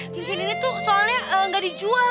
cincin ini tuh soalnya nggak dijual